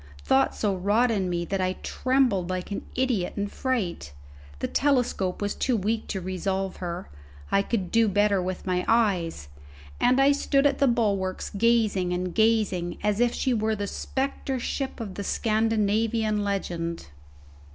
Thought so wrought in me that I trembled like an idiot in a fright. The telescope was too weak to resolve her, I could do better with my eyes; and I stood at the bulwarks gazing and gazing as if she were the spectre ship of the Scandinavian legend.